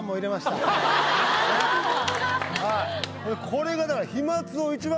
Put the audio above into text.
これがだから。